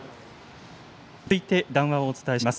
続いて談話をお知らせします。